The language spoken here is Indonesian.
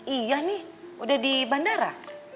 iya nih udah di bandara